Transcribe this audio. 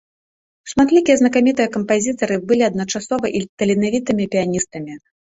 Шматлікія знакамітыя кампазітары былі адначасова і таленавітымі піяністамі.